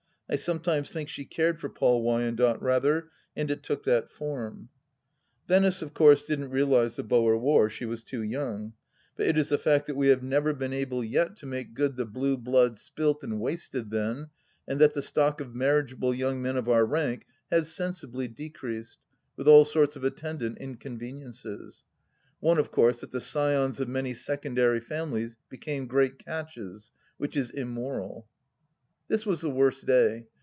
I sometimes think she cared for Paul Wyandotte, rather, and it took that form. ... Venice, of course, didn't realize the Boer War. She was too young. But it is a fact that we have never been able THE LAST DITCH 87 yet to make good the blue blood spilt and wasted then, and that the stock of marriageable young men of our rank has sensibly decreased, with all sorts of attendant incon veniences : one of course that the scions of many secondary families became great catches, which is immoral. ... This was the worst day.